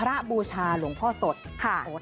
อย่างแรกเลยก็คือการทำบุญเกี่ยวกับเรื่องของพวกการเงินโชคลาภ